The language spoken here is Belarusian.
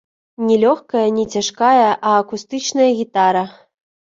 Не лёгкая, не цяжкая, а акустычная гітара.